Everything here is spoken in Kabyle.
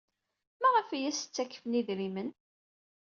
Maɣef ay as-ttakfen idrimen?